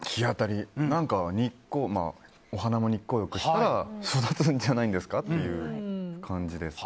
何か、お花も日光浴したら育つんじゃないんですかっていう感じです。